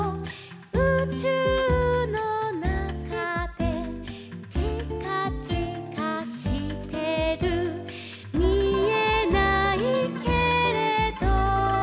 「うちゅうのなかで」「ちかちかしてる」「みえないけれど」